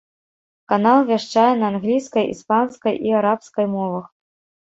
Канал вяшчае на англійскай, іспанскай і арабскай мовах.